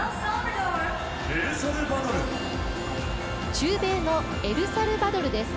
中米のエルサルバドルです。